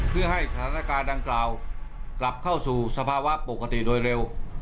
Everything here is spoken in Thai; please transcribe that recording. เพื่อให้สถานการณ์ดังกล่าวกลับเข้าสู่สภาวะปกติโดยเร็ว